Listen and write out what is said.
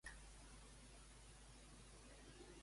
Què li semblava el recital a la Tereseta?